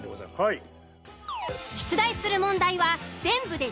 はい。